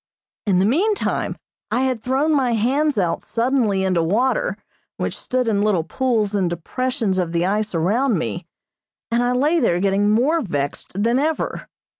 In the meantime I had thrown my hands out suddenly into water which stood in little pools in depressions of the ice around me, and I lay there getting more vexed than ever.